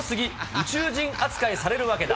宇宙人扱いされるわけだ。